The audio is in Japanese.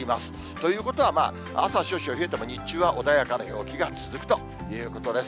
ということはまあ、朝は少々冷えても日中は穏やかな陽気が続くということです。